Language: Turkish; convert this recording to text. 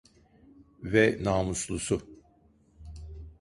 Ve namuslusu…